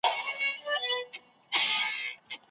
پخوانۍ ډیموکراسي له نننۍ هغې سره فرق لري.